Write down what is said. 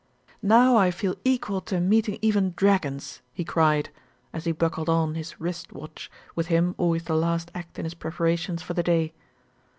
"Now I feel equal to meeting even dragons," he cried, as he buckled on his wrist watch, with him always the last act in his preparations for the day.